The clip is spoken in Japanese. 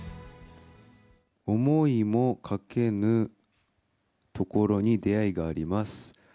思いもかけぬ所に出会いがあります。